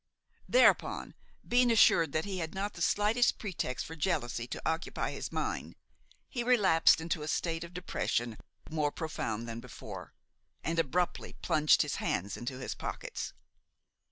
Thereupon, being assured that he had not the slightest pretext for jealousy to occupy his mind, he relapsed into a state of depression more profound than before, and abruptly plunged his hands into his pockets.